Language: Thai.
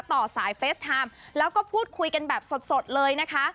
ต่อสายเฟสไทม์แล้วก็พูดคุยกันแบบสดเลยนะคะ